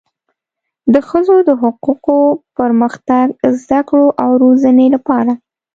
د ښځو د حقوقو، پرمختګ، زده کړو او روزنې لپاره